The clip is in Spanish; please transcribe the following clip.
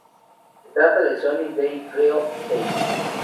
Se trata de Sunny Day Real Estate.